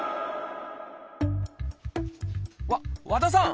わ和田さん